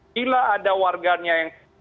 bila ada warganya yang